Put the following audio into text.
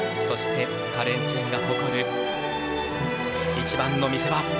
そしてカレン・チェンが誇る一番の見せ場。